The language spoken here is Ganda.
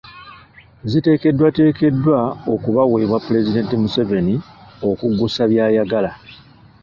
Ziteekeddwateekeddwa okubaweebwa Pulezidenti Museveni okuggusa by’ayagala .